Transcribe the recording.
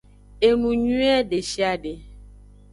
Enuyuie deshiade.